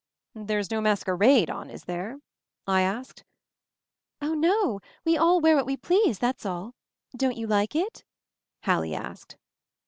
"There's no masquerade on, is there?" I askecl ^Oh, no— we all wear what we please, that's all. Don't you like it?" Hallie asked.